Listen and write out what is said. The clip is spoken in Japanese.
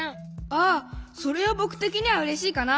ああそれはぼくてきにはうれしいかな。